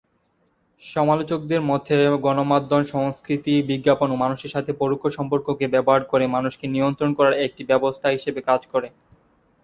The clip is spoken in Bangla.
সমালোচকদের মতে, গণমাধ্যম সংস্কৃতি বিজ্ঞাপন ও মানুষের সাথে পরোক্ষ সম্পর্ককে ব্যবহার করে মানুষকে নিয়ন্ত্রণ করার একটি ব্যবস্থা হিশেবে কাজ করে।